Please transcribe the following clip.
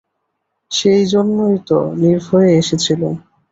সেইজন্যই তো নির্ভয়ে এসেছিলুম।